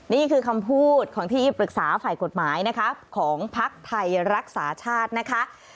นี่คือคำพูดของที่ปรึกษาฝ่ายกฎหมายนะคะของพักไทยรักษาชาตินะคะ